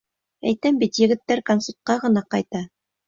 Әйтәм бит, егеттәр концертҡа ғына ҡайта.